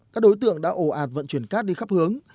các đối tượng đã ổ ạt vận chuyển cát đi khắp hướng